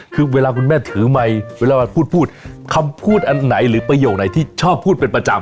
คือเวลาคุณแม่ถือไมค์เวลาพูดพูดคำพูดอันไหนหรือประโยคไหนที่ชอบพูดเป็นประจำ